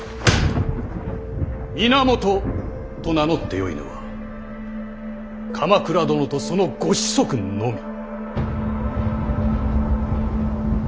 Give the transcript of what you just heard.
源と名乗ってよいのは鎌倉殿とそのご子息のみ。